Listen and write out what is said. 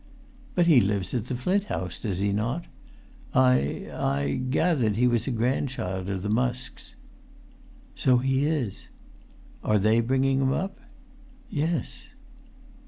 "But he lives at the Flint House, does he not? I—I gathered he was a grandchild of the Musks." "So he is." "Are they bringing him up?" "Yes."